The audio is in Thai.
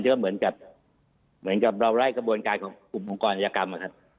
จะเหมือนกับเหมือนกับเราไล่กระบวนการของกรมองค์กรนัยกรรม